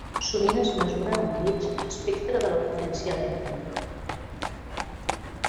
Sovint es mesura amb ells l'espectre de la potència elèctrica.